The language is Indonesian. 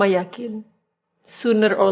dan aku harap